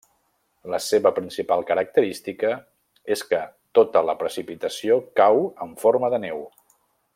La seva principal característica és que tota la precipitació cau en forma de neu.